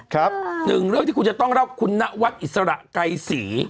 หนึ่งเรื่องที่คุณจะต้องเล่าคุณนวัดอิสระไกรศรี